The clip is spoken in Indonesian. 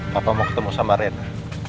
papa mau ketemu sama rena